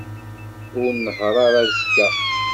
Ur nnehheṛ ara azekka.